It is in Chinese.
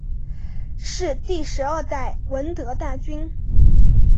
是第十二代闻得大君。